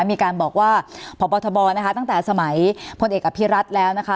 มีการบอกว่าพบทบนะคะตั้งแต่สมัยพลเอกอภิรัตน์แล้วนะคะ